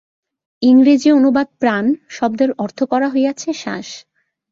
ইংরেজী অনুবাদ প্রাণ-শব্দের অর্থ করা হইয়াছে শ্বাস।